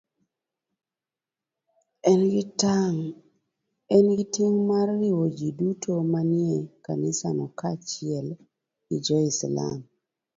En gi ting' mar riwo ji duto manie kanisano kaachiel gi joislam.